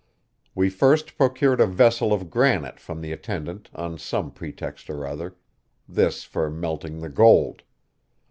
We first procured a vessel of granite from the attendant on some pretext or other this for melting the gold.